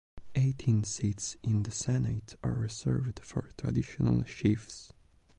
Eighteen seats in the Senate are reserved for traditional chiefs.